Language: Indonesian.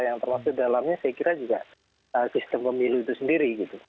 yang termasuk dalamnya saya kira juga sistem pemilu itu sendiri